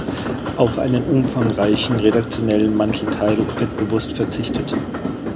Auf einen umfangreichen redaktionellen Mantelteil wird bewusst verzichtet.